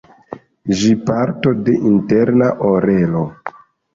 Ĝi parto de interna orelo.